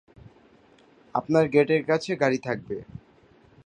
আপনার গেটের কাছে গাড়ি থাকবে।